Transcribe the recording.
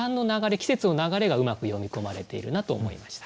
季節の流れがうまく詠み込まれているなと思いました。